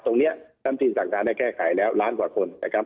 ตรงนี้กรรมชีสังตรายได้แค่ไขแล้วล้านกว่าคน